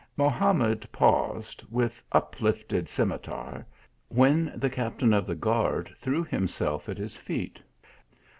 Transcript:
Mohamed paused, with uplifted scimitar, when the captain of the guard threw himself at his feet.